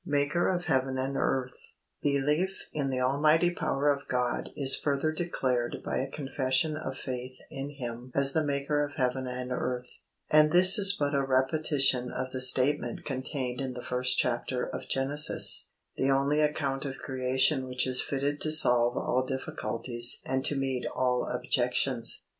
MAKER OF HEAVEN AND EARTH Belief in the Almighty power of God is further declared by a confession of faith in Him as the Maker of heaven and earth, and this is but a repetition of the statement contained in the first chapter of Genesis the only account of Creation which is fitted to solve all difficulties and to meet all objections.